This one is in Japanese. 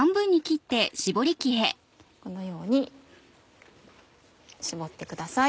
このように搾ってください。